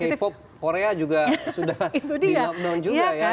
k pop korea juga sudah di lockdown juga ya